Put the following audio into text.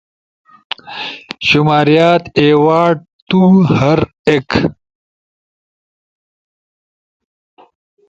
شماریات، ایوارڈ، تُو، ہر ایک